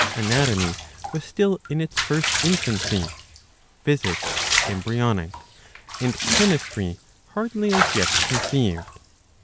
Anatomy was still in its first infancy, physics embryonic, and chemistry hardly as yet conceived.